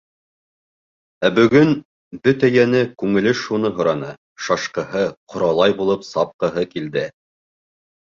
Ә бөгөн... бөтә йәне, күңеле шуны һораны, шашҡыһы, ҡоралай булып сапҡыһы килде.